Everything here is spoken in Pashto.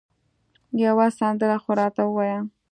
یوه سندره خو راته ووایه